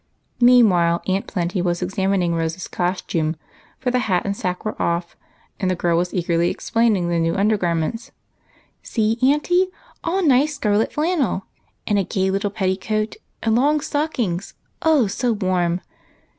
Meantime Aunt Plenty was examining Rose's cos tume, for the hat and sack were off, and the girl was eagerly explaining the new under garments. " See, auntie, all nice scarlet flannel, and a gay little petticoat, and long stockings, oh, so warm!